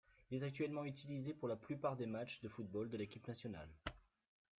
Il est actuellement utilisé pour la plupart des matches de football de l'équipe nationale.